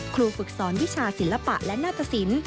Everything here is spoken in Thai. ครูฝึกสอนวิชาศิลปะและหน้าตสิน